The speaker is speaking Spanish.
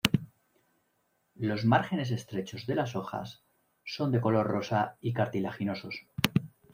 Los márgenes estrechos de las hojas son de color rosa y cartilaginosos.